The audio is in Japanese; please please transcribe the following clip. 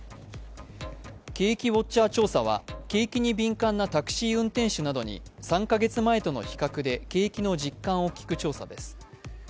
景気ウォッチャー調査は景気に敏感なタクシー運転手などに３カ月前との比較で景気の実感を聞く調査です。